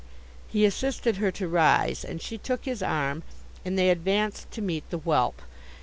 He assisted her to rise, and she took his arm, and they advanced to meet the whelp.